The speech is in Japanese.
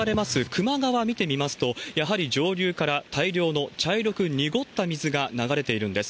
球磨川見てみますと、やはり上流から大量の茶色く濁った水が流れているんです。